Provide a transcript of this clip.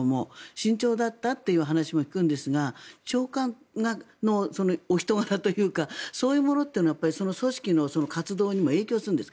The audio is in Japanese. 慎重だったという話も聞くんですが長官のお人柄というかそういうものというのは組織の活動にも影響するんです。